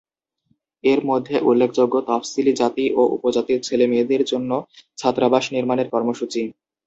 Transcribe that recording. এর মধ্যে উল্লেখযোগ্য, তফসিলি জাতি ও উপজাতির ছেলেমেয়েদের জন্য ছাত্রাবাস নির্মাণের কর্মসূচি।